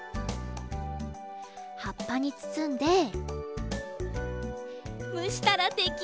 はっぱにつつんでむしたらできあがり！